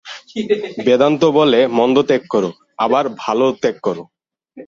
বেদান্ত বলে মন্দ ত্যাগ কর, আবার ভালও ত্যাগ কর।